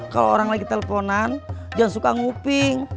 kalau orang lagi telponan jangan suka nguping